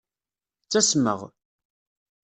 Ttasmeɣ.